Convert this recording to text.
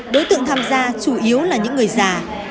đối tượng tham gia chủ yếu là những người già